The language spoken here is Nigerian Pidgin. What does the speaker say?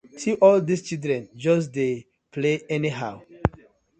See all dis children just dey play anyhow.